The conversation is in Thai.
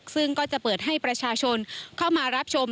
ซึ่งก็จะเปิดให้ประชาชนเข้ามารับชม